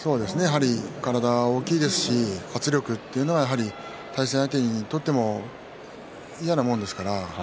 体も大きいですし圧力というのも対戦相手にとって嫌なものですからね。